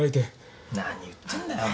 何言ってんだよ。